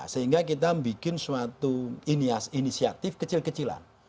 sehingga kita membuat suatu inisiatif kecil kecilan